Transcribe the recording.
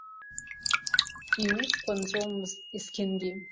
Иусқәа нҵәомызт есқьынгьы…